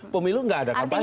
pemilu tidak ada kampanye